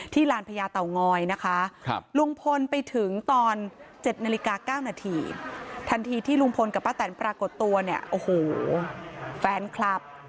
ทันทีที่ลุงพลกับป้าแตนปรากฏตัวเนี่ยโอ้โหแฟนคลับ